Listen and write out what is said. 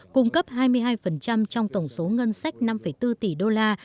tổng thư ký liên hợp quốc cung cấp hai mươi hai trong tổng số ngân sách năm bốn tỷ đô la